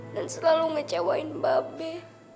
dan selalu ngecewain mbak be